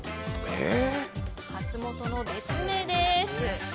ハツモトの別名です。